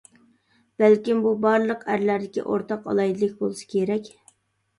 بەلكىم بۇ بارلىق ئەرلەردىكى ئورتاق ئالاھىدىلىك بولسا كېرەك.